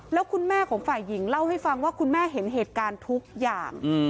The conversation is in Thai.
แล้วคุณแม่ของฝ่ายหญิงเล่าให้ฟังว่าคุณแม่เห็นเหตุการณ์ทุกอย่าง